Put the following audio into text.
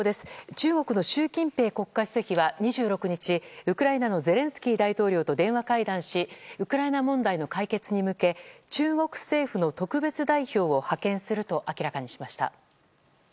中国の習近平国家主席は２６日ウクライナのゼレンスキー大統領と電話会談しウクライナ問題の解決に向け中国政府の特別代表を派遣すると明らかにしました。